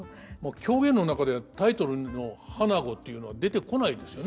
狂言の中でタイトルの「花子」っていうのは出てこないですよね。